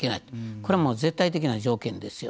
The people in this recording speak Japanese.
これは絶対的な条件ですよ。